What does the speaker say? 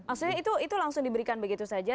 maksudnya itu langsung diberikan begitu saja